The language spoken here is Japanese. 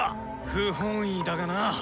不本意だがな。